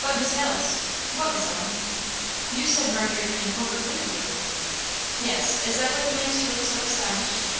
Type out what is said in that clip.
"But, Miss Alice!" "What, Miss Ellen?" "You said Margery came over with you?" "Yes; is that what makes you look so astonished?"